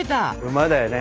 馬だよね。